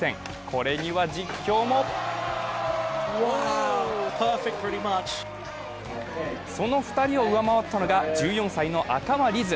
これには実況もその２人を上回ったのが１４歳の赤間凛音。